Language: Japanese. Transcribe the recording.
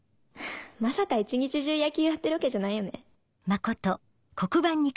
まさか一日中野球やってるわけじゃないよね。